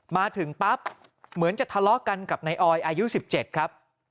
มาถึงปั๊บเหมือนจะทะเลาะกันกับนายออยอายุ๑๗ครับ